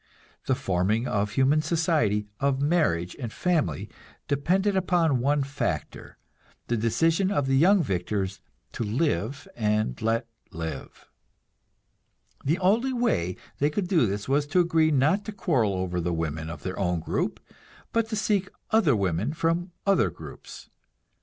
The forming of human society, of marriage and the family, depended upon one factor, the decision of the young victors to live and let live. The only way they could do this was to agree not to quarrel over the women of their own group, but to seek other women from other groups.